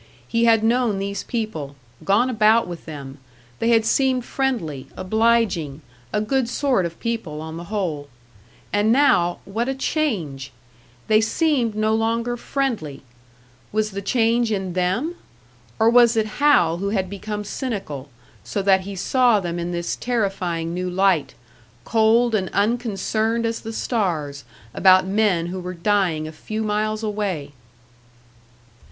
He had known these people, gone about with them; they had seemed friendly, obliging, a good sort of people on the whole. And now, what a change! They seemed no longer friendly! Was the change in them? Or was it Hal who had become cynical so that he saw them in this terrifying new light, cold, and unconcerned as the stars about men who were dying a few miles away!